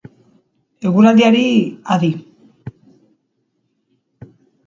Eguraldiari, adi.